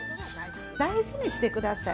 大事にしてください。